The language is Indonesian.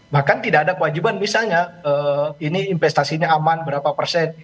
bahkan tidak ada kewajiban misalnya ini investasinya aman berapa persen